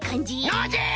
ノージー！